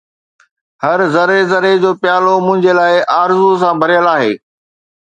هر ذري ذري جو پيالو منهنجي لاءِ آرزو سان ڀريل آهي